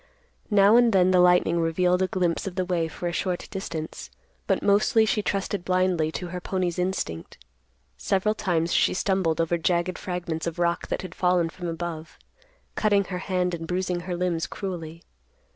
Now and then the lightning revealed a glimpse of the way for a short distance, but mostly she trusted blindly to her pony's instinct. Several times she stumbled over jagged fragments of rock that had fallen from above, cutting her hand and bruising her limbs cruelly.